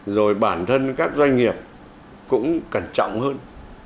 rồi bản thân các doanh nghiệp cũng cẩn trọng hơn